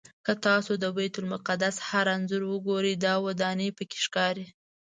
که تاسو د بیت المقدس هر انځور وګورئ دا ودانۍ پکې ښکاري.